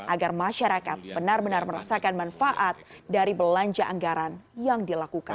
agar masyarakat benar benar merasakan manfaat dari belanja anggaran yang dilakukan